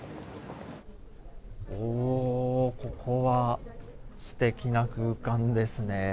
おおここはすてきな空間ですね！